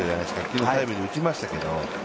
昨日、タイムリー打ちましたけど。